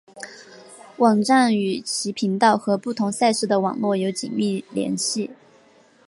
网站与其频道和不同赛事的网络有紧密联系。